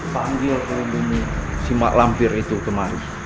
panggil kembali si mak lampir itu kemari